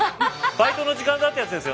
「バイトの時間だ」ってやつですよね。